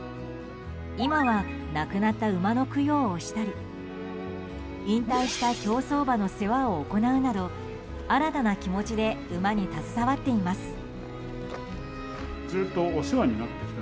今は亡くなった馬の供養をしたり引退した競走馬の世話を行うなど新たな気持ちで馬に携わっています。